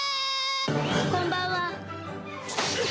こんばんは。